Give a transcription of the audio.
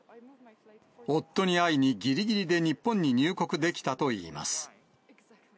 夫に会いにぎりぎりで日本に入国できたといいます。